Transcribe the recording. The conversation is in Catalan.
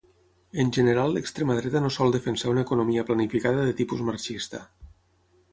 En general l'extrema dreta no sol defensar una economia planificada de tipus marxista.